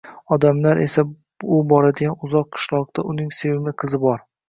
Odamlar esa u boradigan uzoq qishloqda uning sevimli qizi bor.